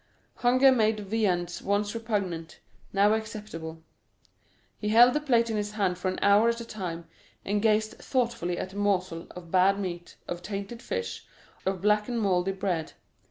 Hunger made viands once repugnant, now acceptable; he held the plate in his hand for an hour at a time, and gazed thoughtfully at the morsel of bad meat, of tainted fish, of black and mouldy bread.